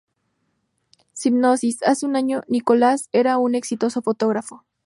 Sinopsis: Hace un año, Nicolás era un exitoso fotógrafo.